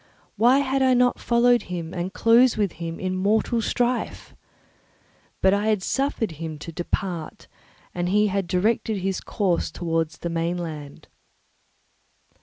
Why had I not followed him and closed with him in mortal strife? But I had suffered him to depart, and he had directed his course towards the mainland.